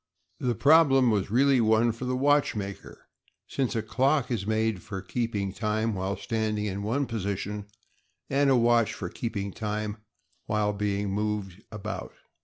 The problem was really one for the watchmaker, since a clock is made for keeping time while standing in one position and a watch for keeping time while being moved about.